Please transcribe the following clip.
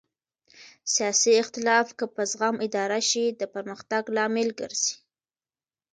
سیاسي اختلاف که په زغم اداره شي د پرمختګ لامل ګرځي